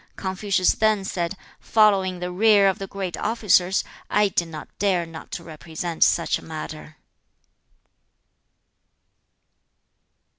Confucius then said, 'Following in the rear of the great officers, I did not dare not to represent such a matter.'